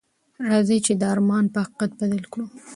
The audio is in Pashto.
راځئ چې دا ارمان په حقیقت بدل کړو.